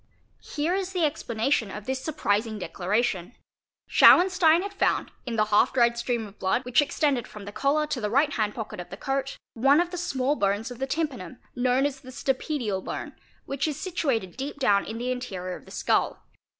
Here is the explanation of this surprising declara tion: Schawenstein had found in the half dried stream of blood which extended from the collar to the right hand pocket of the coat, one of the small bones of the tympanum known as the " stapedial bone' which is situated deep down in the interior of the skull.